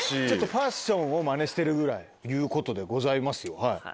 ファッションをマネしてるぐらいいうことでございますよ。